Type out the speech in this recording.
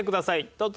どうぞ。